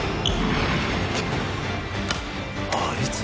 あいつ。